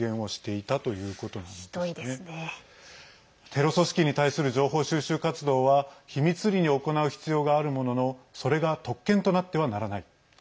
テロ組織に対する情報収集活動は秘密裏に行う必要があるもののそれが特権となってはならない。